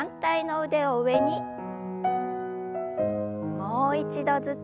もう一度ずつ。